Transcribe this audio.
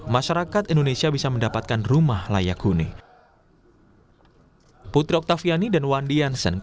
masyarakat indonesia bisa mendapatkan rumah layak huni